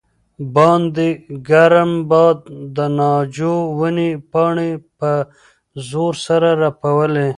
باندې ګرم باد د ناجو ونې پاڼې په زور سره رپولې.